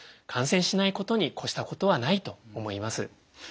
感染しないことに越したことはないと思います。